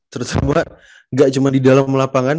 terutama nggak cuma di dalam lapangan